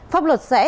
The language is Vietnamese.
pháp luật sẽ